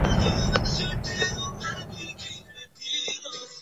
现为北京大学力学与工程科学系教授。